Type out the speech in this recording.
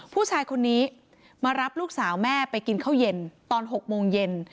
ผู้ชายคนนี้มารับลูกสาวแม่ไปกินข้าวเย็นตอน๖โมงเย็น